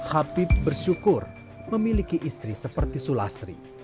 habib bersyukur memiliki istri seperti sulastri